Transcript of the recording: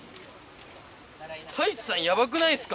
太一さん、やばくないっすか？